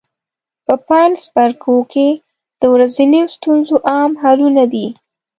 په پیل څپرکو کې د ورځنیو ستونزو عام حلونه دي.